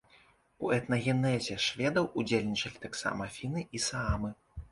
У этнагенезе шведаў удзельнічалі таксама фіны і саамы.